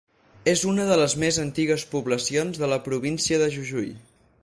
És una de les més antigues poblacions de la Província de Jujuy.